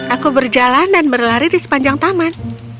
aku berjalan dan berlari di sepanjang taman